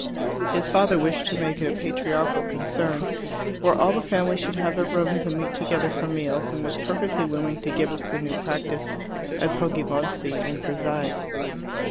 His father wished to make it a patriarchal concern, where all the family should have their rooms and meet together for meals, and was perfectly willing to give up the new practice at Poggibonsi and preside.